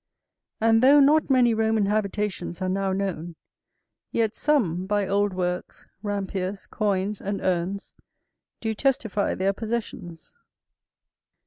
And though not many Roman habitations are now known, yet some, by old works, rampiers, coins, and urns, do testify their possessions.